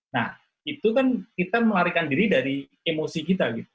nah itu kan kita melarikan diri dari emosi kita gitu